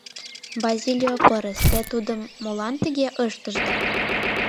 — Базилио пырыс, те тудым молан тыге ыштышда?